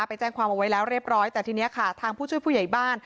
ไปแจ้งความเอาไว้แล้วเรียบร้อยแต่ทีนี้ค่ะทางผู้ช่วยผู้ใหญ่บ้าน